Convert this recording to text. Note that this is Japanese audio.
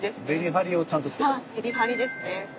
メリハリですね。